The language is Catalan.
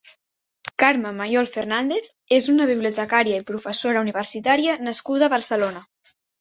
Carme Mayol Fernández és una bibliotecària i professora universitària nascuda a Barcelona.